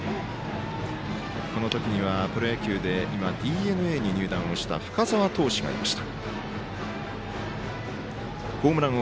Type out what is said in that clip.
この時にはプロ野球で今ＤｅＮＡに入団をした投手がいました。